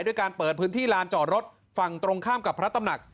ด้วยการเปิดพื้นที่ลานจอดรถฝั่งตรงข้ามกับพระตำหนัก